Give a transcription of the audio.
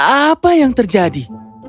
apa yang terjadi